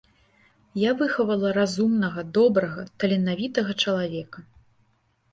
Я выхавала разумнага, добрага, таленавітага чалавека.